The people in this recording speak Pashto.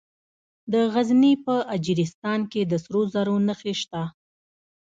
د غزني په اجرستان کې د سرو زرو نښې شته.